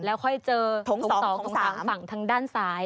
แล้วค่อยเจอโถง๒ของ๓ฝั่งทางด้านซ้าย